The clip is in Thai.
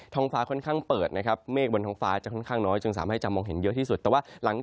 แต่แล้วกันพร้าวเหนือกับใบพี่วิว